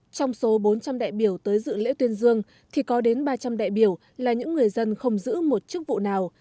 trong số bốn trăm linh đại biểu tới dự lễ tuyên dương thì có đến ba trăm linh đại biểu là những người dân không giữ một chức vụ nào